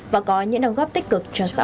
và có những đồng góp tích cực cho xã hội